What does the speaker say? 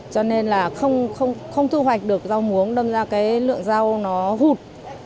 cho nên là không thu hoạch được rau muống đâm ra cái lượng rau nó hụt